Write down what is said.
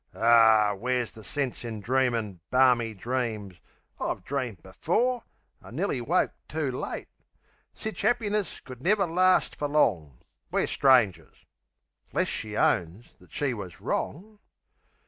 Ar, where's the sense in dreamin' barmy dreams, I've dreamed before, and nearly woke too late. Sich 'appiness could never last fer long, We're strangers 'less she owns that she was wrong.